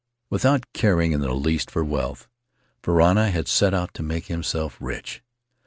"Without caring in the least for wealth, Varana had set out to make himself rich.